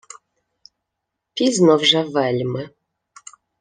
— Пізно вже вельми.